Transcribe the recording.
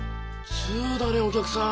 通だねお客さん！